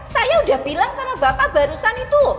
saya udah bilang sama bapak barusan itu